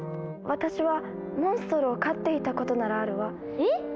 私はモンストロを飼っていたことならあるわ。えっ？